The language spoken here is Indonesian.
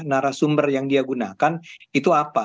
narasumber yang dia gunakan itu apa